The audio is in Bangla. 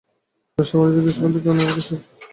ব্যবসা বাণিজ্যের দৃষ্টিকোণ থেকেই আমরা সেটা চাই।